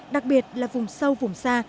đặc biệt là vùng sâu vùng xa